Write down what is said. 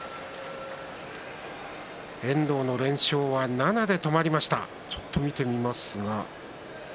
遠藤の連勝は７で止まりました。